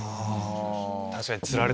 確かに。